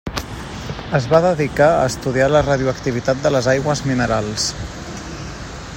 Es va dedicar a estudiar la radioactivitat de les aigües minerals.